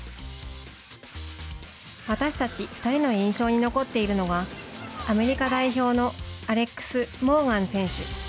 私たち２人の印象に残っているのがアメリカ代表のアレックス・モーガン選手。